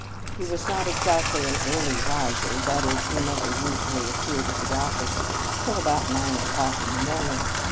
He was not exactly an early riser, that is, he never usually appeared at the ofifice till about nine o'clock in the morning.